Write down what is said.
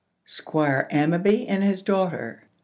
SQUIRE AMMABY AND HIS DAUGHTER.